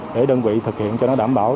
để đơn vị thực hiện cho nó đảm bảo